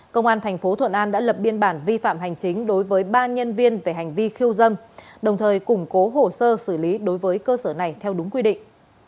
công an thành phố thuận an đã lập biên bản vi phạm hành chính đối với ba nhân viên về hành vi khiêu dâm đồng thời củng cố hồ sơ xử lý đối với cơ sở này theo đúng quy định